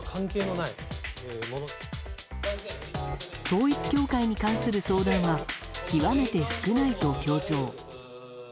統一教会に関する相談は極めて少ないと強調。